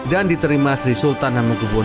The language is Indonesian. dan diterima sri sultan hamengkobwono ix